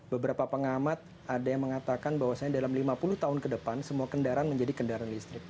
beberapa pengamat ada yang mengatakan bahwasannya dalam lima puluh tahun ke depan semua kendaraan menjadi kendaraan listrik